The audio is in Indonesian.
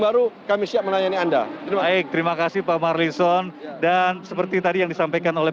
baru kami siap melayani anda terima kasih pak marlison dan seperti tadi yang disampaikan oleh